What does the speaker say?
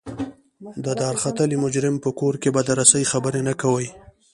د دارختلي مجرم په کور کې به د رسۍ خبرې نه کوئ.